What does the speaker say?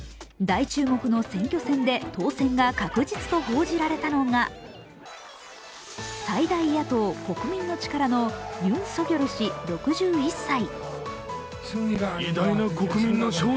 大注目の選挙戦で当選が確実と報じられたのが最大野党・国民の力のユン・ソギョル氏６１歳。